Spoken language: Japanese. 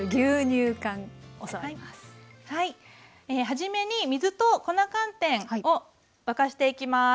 初めに水と粉寒天を沸かしていきます。